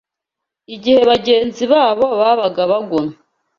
igihe bagenzi babo babaga bagona